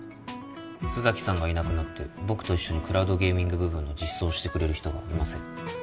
須崎さんがいなくなって僕と一緒にクラウドゲーミング部分の実装をしてくれる人がいません